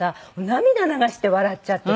涙流して笑っちゃっていて。